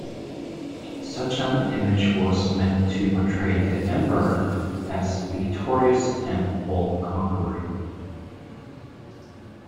Such an image was meant to portray the Emperor as victorious and all-conquering.